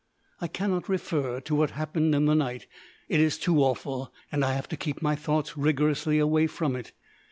I cannot refer to what happened in the night; it is too awful, and I have to keep my thoughts rigorously away from it.